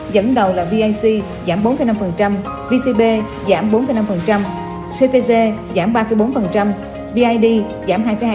dẫn đầu là vic giảm bốn năm vcb giảm bốn năm ctg giảm ba bốn bid giảm hai hai